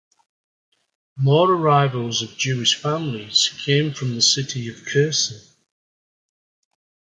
More arrivals of Jewish families came from city of Kherson.